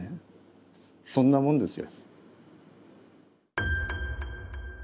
そんなもんですよ。